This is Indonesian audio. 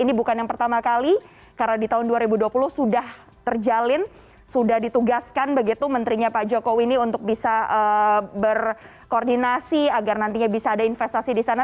ini bukan yang pertama kali karena di tahun dua ribu dua puluh sudah terjalin sudah ditugaskan begitu menterinya pak jokowi ini untuk bisa berkoordinasi agar nantinya bisa ada investasi di sana